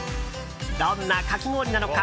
どんなかき氷なのか